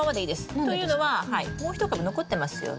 というのはもう一株残ってますよね。